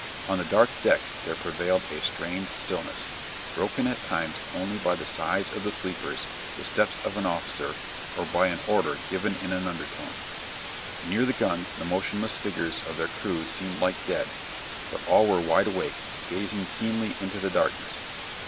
On the dark deck there prevailed a strained stillness, broken at times only by the sighs of the sleepers, the steps of an officer, or by an order given in an undertone. Near the guns the motionless figures of their crews seemed like dead, but all were wide awake, gazing keenly into the darkness.